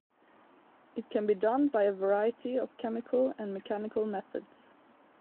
It can be done by a variety of chemical and mechanical methods.